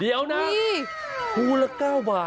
เดี๋ยวนะภูละ๙บาท